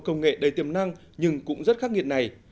công nghệ đầy tiềm năng nhưng cũng rất khắc nghiệt này